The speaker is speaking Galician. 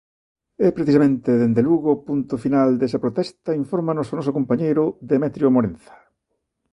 E precisamente, dende Lugo, punto final desa protesta infórmanos o noso compañeiro, Demetrio Morenza.